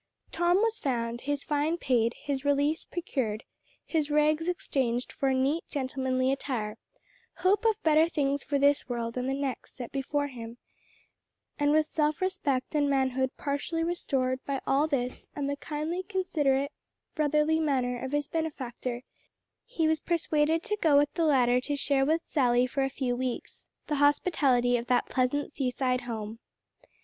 Tom was found, his fine paid, his release procured, his rags exchanged for neat gentlemanly attire, hope of better things for this world and the next set before him, and with self respect and manhood partially restored by all this and the kindly considerate, brotherly manner of his benefactor, he was persuaded to go with the latter to share with Sally for a few weeks, the hospitality of that pleasant seaside home.